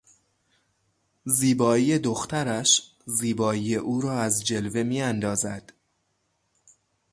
زیبایی دخترش زیبایی او را از جلوه میاندازد.